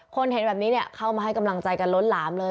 เห็นแบบนี้เข้ามาให้กำลังใจกันล้นหลามเลย